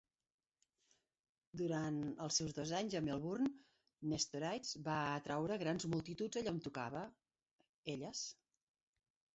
Durant els seus dos anys a Melbourne, Nestoridis va atraure grans multituds allà on tocava Hellas.